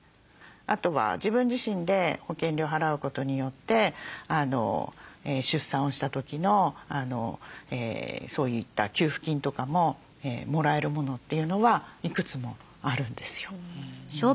あとは自分自身で保険料払うことによって出産をした時のそういった給付金とかももらえるものというのはいくつもあるんですよ。